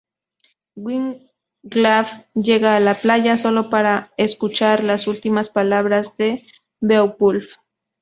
Wiglaf llega a la playa, sólo para escuchar las últimas palabras de Beowulf.